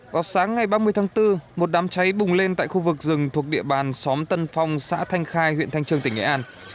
vào sáng ngày ba mươi tháng bốn một đám cháy bùng lên tại khu vực rừng thuộc địa bàn xóm tân phong xã thanh khai huyện thanh trương tỉnh nghệ an